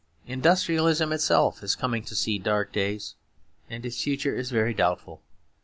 Industrialism itself is coming to see dark days, and its future is very doubtful.